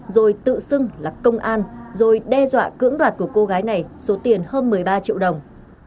rồi tự xưng là công an rồi đe dọa cưỡng đoạt của cô gái này số tiền hơn một mươi ba triệu đồng